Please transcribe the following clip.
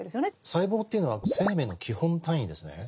細胞というのは生命の基本単位ですね。